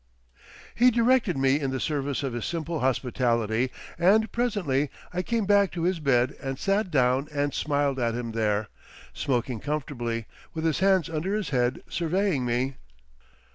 He directed me in the service of his simple hospitality, and presently I came back to his bed and sat down and smiled at him there, smoking comfortably, with his hands under his head, surveying me.